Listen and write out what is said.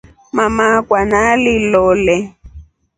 Mama akwa nalilole.